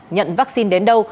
nhận vaccine đến đâu